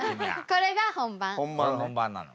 これ本番なの？